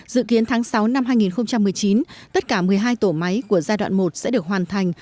dự kiến tháng sáu năm hai nghìn một mươi chín tất cả một mươi hai tổ máy của giai đoạn một sẽ được hoàn thành